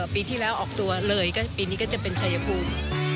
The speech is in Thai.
ปีที่แล้วออกตัวเลยก็ปีนี้ก็จะเป็นชัยภูมิ